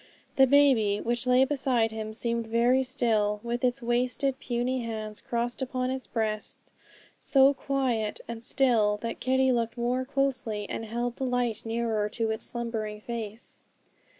The baby, which lay beside him, seemed very still, with its wasted puny hands crossed upon its breast; so quiet and still that Kitty looked more closely, and held the light nearer to its slumbering face.